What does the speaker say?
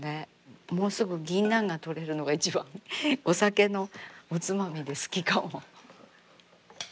もうすぐ銀杏がとれるのが一番お酒のおつまみで好きかも。